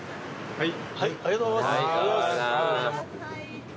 はい。